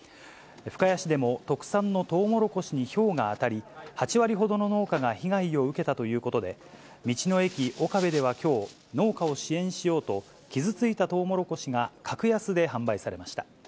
深谷市でも特産のトウモロコシにひょうが当たり、８割ほどの農家が被害を受けたということで、道の駅おかべではきょう、農家を支援しようと、傷ついたトウモロコシが格安で販売されました。